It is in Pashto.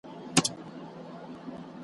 هر سړی یې رانیولو ته تیار وي .